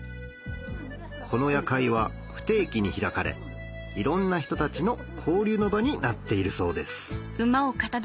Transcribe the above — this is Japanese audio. この夜会は不定期に開かれいろんな人たちの交流の場になっているそうです